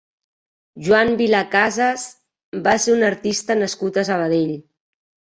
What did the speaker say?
Joan Vilacasas va ser un artista nascut a Sabadell.